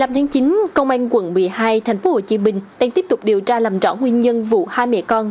một mươi tháng chín công an quận một mươi hai tp hcm đang tiếp tục điều tra làm rõ nguyên nhân vụ hai mẹ con